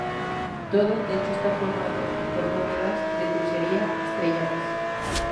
Todo el techo está formado por bóvedas de crucería estrelladas.